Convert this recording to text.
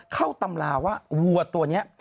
เข้าตำราว่าวัวตัวเนี่ย